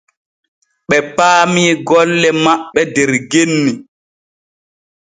Ɓe paami golle maɓɓe der genni.